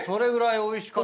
おいしかった。